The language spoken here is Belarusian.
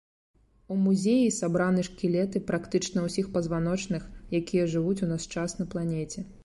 У музеі сабраны шкілеты практычна ўсіх пазваночных, якія жывуць у наш час на планеце.